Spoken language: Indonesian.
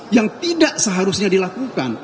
yang tidak seharusnya dilakukan